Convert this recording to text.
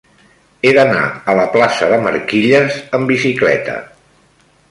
He d'anar a la plaça de Marquilles amb bicicleta.